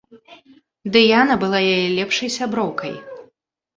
Дыяна была яе лепшай сяброўкай.